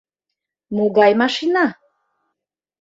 — Могай машина?..